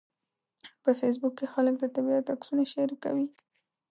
په فېسبوک کې خلک د طبیعت عکسونه شریکوي